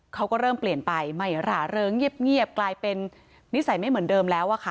เขาก็เริ่มเปลี่ยนไปไม่หร่าเริงเงียบกลายเป็นนิสัยไม่เหมือนเดิมแล้วอะค่ะ